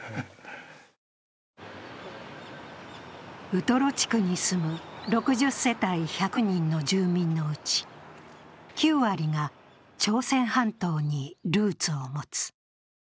ウトロ地区に住む６０世帯１００人の住民のうち、９割が朝鮮半島にルーツを持つ。